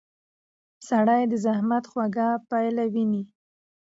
سړی د زحمت خوږه پایله ویني